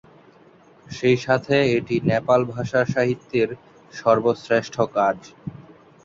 সেই সাথে এটি নেপাল ভাষার সাহিত্যের সর্বশ্রেষ্ঠ কাজ।